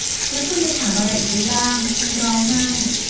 และคุณจะถามอะไรอีกได้บ้าง ฉันร้องไห้